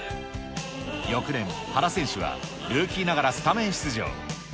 翌年、原選手はルーキーながらスタメン出場。